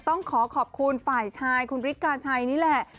ต้องขอขอบคุณฝ่ายชายคุณบริกกาชัยนี่แหละ